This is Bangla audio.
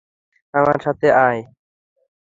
আমার সাথে আয়!